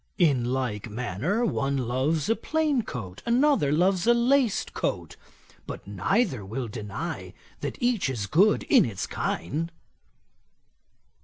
In like manner, one loves a plain coat, another loves a laced coat; but neither will deny that each is good in its kind.'